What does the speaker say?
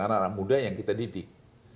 anak anak muda yang kita didik